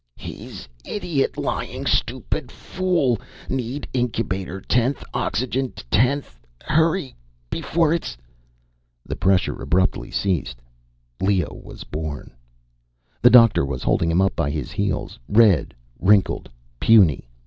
He's idiot lying stupid fool need incubator tenth oxygen tenth tenth hurry before it's The pressure abruptly ceased. Leo was born. The doctor was holding him up by the heels, red, wrinkled, puny.